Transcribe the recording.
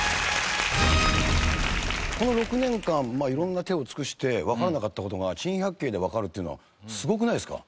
この６年間色んな手を尽くしてわからなかった事が『珍百景』でわかるっていうのはすごくないですか？